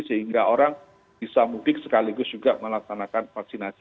sehingga orang bisa mudik sekaligus juga melaksanakan vaksinasi